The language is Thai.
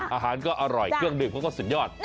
อาหารก็อร่อยเครื่องดื่มเขาก็สุดยอด